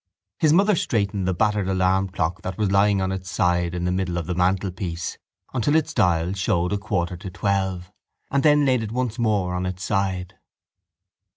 His mother straightened the battered alarm clock that was lying on its side in the middle of the mantelpiece until its dial showed a quarter to twelve and then laid it once more on its side.